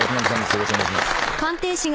よろしくお願いします。